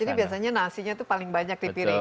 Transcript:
jadi biasanya nasinya itu paling banyak di piring